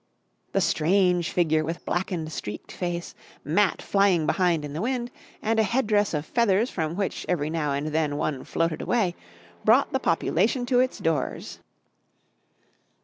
The strange figure with blackened, streaked face, mat flying behind in the wind and a head dress of feathers from which every now and then one floated away, brought the population to its doors.